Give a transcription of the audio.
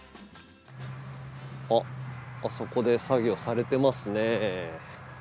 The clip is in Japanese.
あっあそこで作業されてますね。